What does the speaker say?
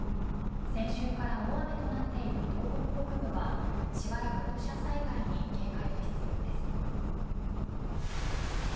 先週から大雨となっている東北北部はしばらく土砂災害に警戒が必要です。